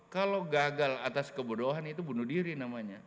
kalau gagal atas kebodohan itu bunuh diri namanya